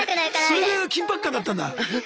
それぐらいの緊迫感だったんだ。